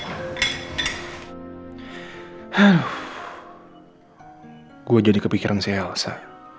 aduh gue jadi kepikiran si elsa